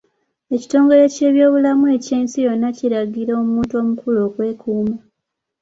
Ekitongole ky’ebyobulamu eky'ensi yonna kiragira omuntu omukulu okwekuuma.